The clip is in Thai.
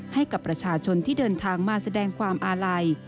ให้กับประชาชนที่เดินทางมาแสดงความอาลัย